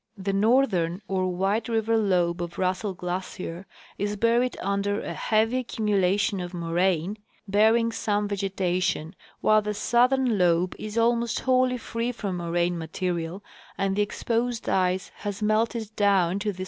The northern or White river lobe of Russell glacier is buried under a heavy accumulation of moraine, bearing some vegetation, while the southern lobe is almost wholly free from moraine material and the exposed ice has melted down to the A single Glacier now advancing.